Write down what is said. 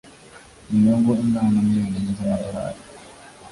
inyungu ingana na miliyoni enye z’amadolari